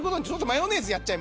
マヨネーズ？